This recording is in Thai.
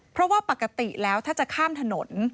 เพราะว่าปกติแล้วถ้าจะข้ามถนน